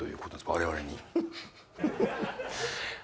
我々に。